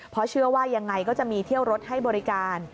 เพราะเชื่อว่ายังไงก็จะมีเที่ยวรถให้บริการ